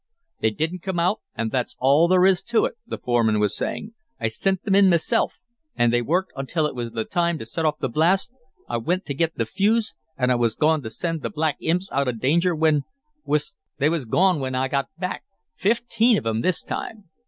"They didn't come out, an' thot's all there is to it," the foreman was saying. "I sint thim in mesilf, and they worked until it was time t' set off th' blast. I wint t' get th' fuse, an' I was goin' t' send th' black imps out of danger, whin whist they was gone whin I got back fifteen of 'em this time!"